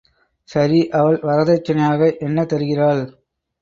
சரி, அவள் வரதட்சணையாக என்ன தருகிறாள்?